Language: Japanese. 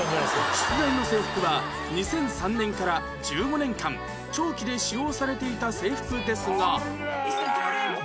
出題の制服は２００３年から１５年間長期で使用されていた制服ですが